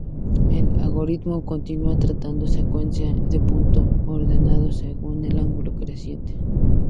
El algoritmo continúa tratando secuencia de puntos ordenados según el ángulo creciente.